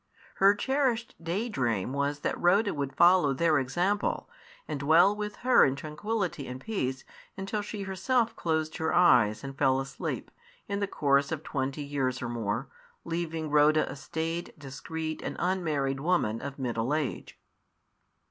Her cherished day dream was that Rhoda would follow their example, and dwell with her in tranquillity and peace, until she herself closed her eyes, and fell asleep, in the course of twenty years or more, leaving Rhoda a staid, discreet, and unmarried woman of middle age.